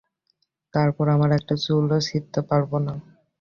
তারপর আমরা একটা চুলও ছিড়তে পারব না!